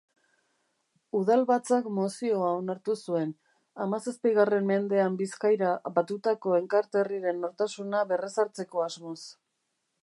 Udalbatzak mozioa onartu zuen, hamazazpigarren mendean Bizkaira batutako Enkarterriren nortasuna berrezartzeko asmoz.